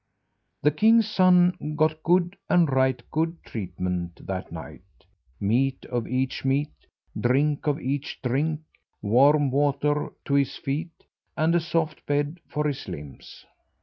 The king's son got good and right good treatment that night. Meat of each meat, drink of each drink, warm water to his feet, and a soft bed for his limbs.